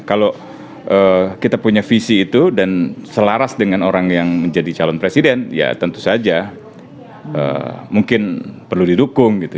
kalau kita punya visi itu dan selaras dengan orang yang menjadi calon presiden ya tentu saja mungkin perlu didukung gitu